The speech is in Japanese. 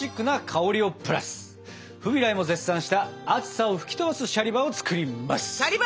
フビライも絶賛した暑さを吹き飛ばすシャリバを作ります！